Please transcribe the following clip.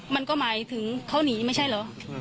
มันก็หมายถึงเขาหนีไม่ใช่เหรอ